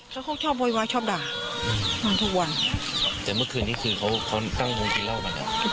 เขาชอบโวยวายชอบด่าทุกวันแต่เมื่อคืนนี้คือเขาตั้งงงกินเหล้ากัน